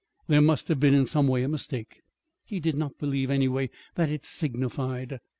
There must have been, in some way, a mistake. He did not believe, anyway, that it signified.